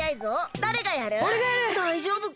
だいじょうぶか？